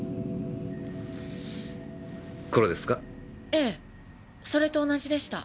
ええそれと同じでした。